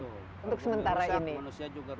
untuk sementara ini